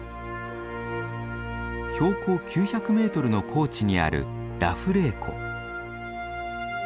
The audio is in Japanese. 標高９００メートルの高地にあるラフレー湖。